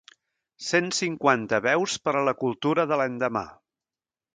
Cent cinquanta veus per a la cultura de l'endemà.